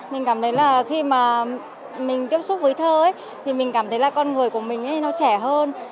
mình cảm thấy là khi mà mình tiếp xúc với thơ thì mình cảm thấy là con người của mình nó trẻ hơn